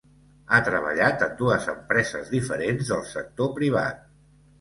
Ha treballat en dues empreses diferents del sector privat.